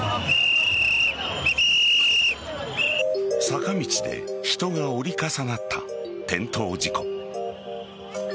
坂道で人が折り重なった転倒事故。